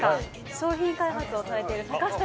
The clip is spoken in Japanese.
商品開発をされている坂下さんです。